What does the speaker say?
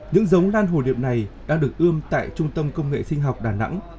những giống lan hồ điệp này đang được ươm tại trung tâm công nghệ sinh học đà nẵng